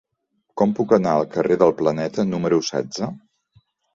Com puc anar al carrer del Planeta número setze?